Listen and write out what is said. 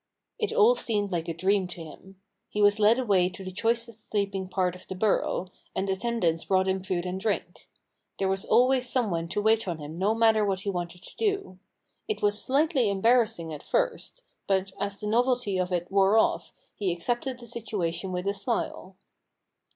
It all seemed like a dream to him. He was led away to the choicest sleeping part of the burrow, and attendants brought him food and drink. There was always some one to wait on him no matter what he wanted to do. It was slightly embarrassing at first, but, as the novelty of it wore off he accepted the situation with a smile.